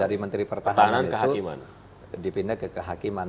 dari menteri pertahanan itu dipindah ke kehakiman